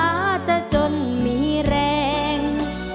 ห่วงฟ้าจะจนมีแรง